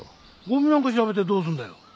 ゴミなんか調べてどうすんだよ？